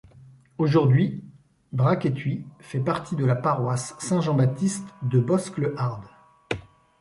Aujourd'hui, Bracquetuit fait partie de la paroisse Saint Jean-Baptiste de Bosc-le-Hard.